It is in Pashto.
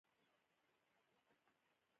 د سايکل ښکر کاژه دي